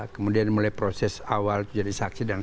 kemudian mulai proses awal jadi saksi